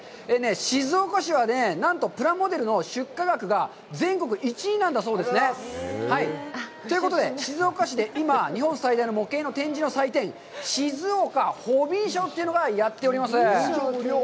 静岡市はね、なんとプラモデルの出荷額が全国１位なんだそうですね。ということで、静岡市で今、日本最大の模型の展示の祭典、静岡ホビーショーというのがやっております。